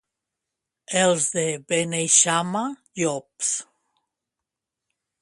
Els de Beneixama, llops.